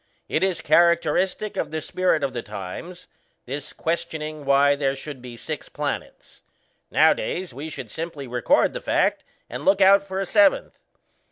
It is characteristic of the spirit of the times this questioning why there should be six planets. Nowadays, we should simply record the fact and look out for a seventh.